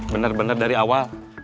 bener bener dari awal